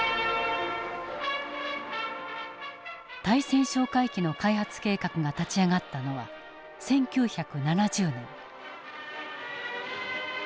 対潜哨戒機の開発計画が立ち上がったのは１９７０年。